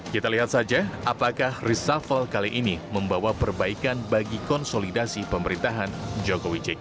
kita lihat saja apakah reshuffle kali ini membawa perbaikan bagi konsolidasi pemerintahan jokowi jk